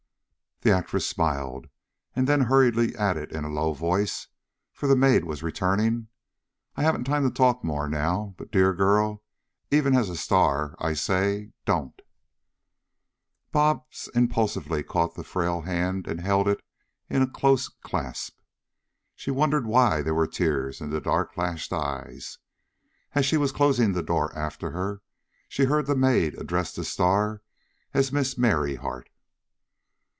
The actress smiled, and then hurriedly added in a low voice, for the maid was returning: "I haven't time to talk more, now, but dear girl, even as a star I say don't." Bobs impulsively caught the frail hand and held it in a close clasp. She wondered why there were tears in the dark lashed eyes. As she was closing the door after her, she heard the maid address the star as Miss Merryheart.